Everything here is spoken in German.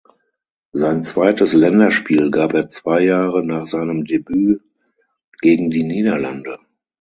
Sein zweites Länderspiel gab er zwei Jahre nach seinen Debüt gegen die Niederlande.